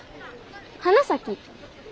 花咲？